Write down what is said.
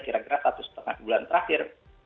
kira kira satu setengah bulan terakhir